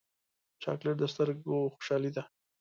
چاکلېټ د سترګو خوشحالي ده.